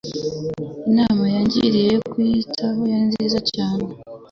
Inama yangiriye yo kwiyitaho yari nziza cyane